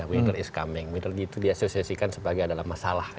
winter is coming winter itu diasosiasikan sebagai adalah masalah